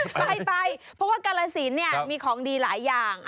ไปเพราะว่ากาลสินมีของดีหลายอย่าง